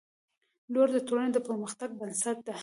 • لور د ټولنې د پرمختګ بنسټ ده.